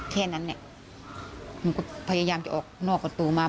แค่นั้นแหละหนูก็พยายามจะออกนอกประตูมา